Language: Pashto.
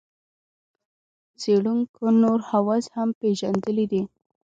څېړونکو نور حواس هم پېژندلي دي.